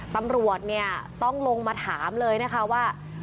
ตำรวจต้องลงมาถามเลยว่า